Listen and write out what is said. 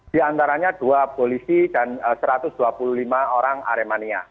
di antaranya dua polisi dan satu ratus dua puluh lima orang aremania